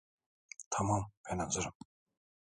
Tamam, ben hazırım.